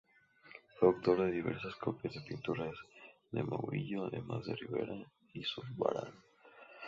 Fue autor de diversas copias de pinturas de Murillo, además de Ribera y Zurbarán.